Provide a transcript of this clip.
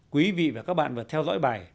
quý vị và các bạn vừa theo dõi bài